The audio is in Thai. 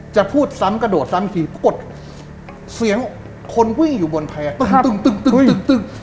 จะพูดซ้ำกระโดดซ้ำทีกดเสียงคนวิ่งอยู่บนแพร่ตึงตึงตึงตึงตึง